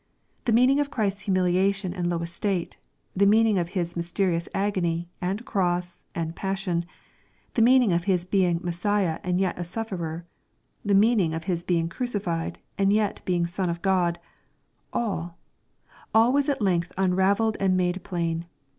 The meaning of Christ's humiliation and low estate, — the meaning of His mysterious agony, and cross, and passion, — the meaning of His being Messiah and yet a sufierer, — the meaning of His being crucified, and yet being Son of God, — all, all was at length unravelled and made plain.